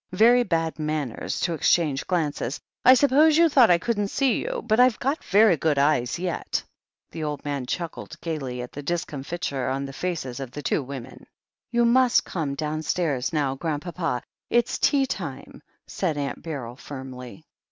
Very bad man ners to exchange glances. I suppose you thought I couldn't see you, but I've got very good eyes yet." The old man chuckled gaily at the discomfiture on the faces of the two women. "You must come downstairs now. Grandpapa. It's tea time," said Aunt Beryl firmly.